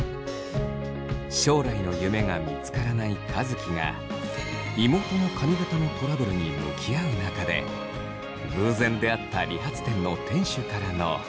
将来の夢が見つからない和樹が妹の髪形のトラブルに向き合う中で偶然出会った理髪店の店主からの。